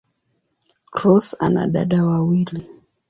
Cross ana dada wawili.